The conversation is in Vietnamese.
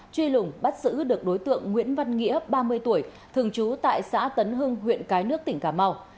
truy lùng bắt giữ được đối tượng nguyễn văn nghĩa ba mươi tuổi thường trú tại xã tấn hưng huyện cái nước tỉnh cà mau